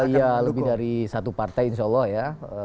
iya lebih dari satu partai insya allah ya